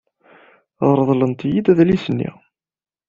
Reḍlent-iyi-d adlis-nni.